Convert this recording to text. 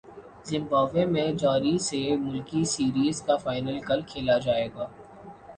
Zimbabwe میں جاری سہ ملکی سیریز کا فائنل کل کھیلا جائے گا